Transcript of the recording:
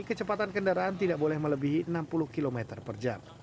kecepatan kendaraan tidak boleh melebihi enam puluh km per jam